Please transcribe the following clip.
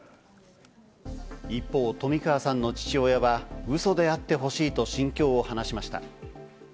一方、冨川さんの父親はウソであってほしいと心境を話しました。